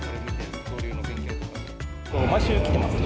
毎週来てます。